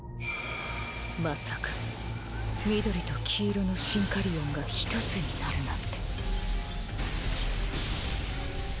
まさか緑と黄色のシンカリオンが一つになるなんて